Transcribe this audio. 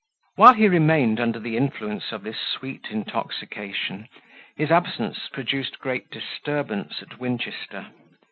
While he remained under the influence of this sweet intoxication, his absence produced great disturbance at Winchester.